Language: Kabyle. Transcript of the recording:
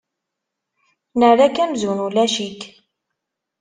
Nerra-k amzun ulac-ik.